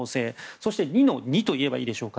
そして、２の２といえばいいでしょうか